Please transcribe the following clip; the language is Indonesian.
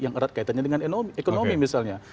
yang erat kaitannya dengan ekonomi misalnya